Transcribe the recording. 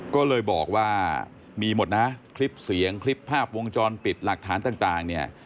ก็เลยบอกว่ามีหมดนะคลิปเสียงคลิปภาพวงจรปิดหลักฐานต่างเนี่ย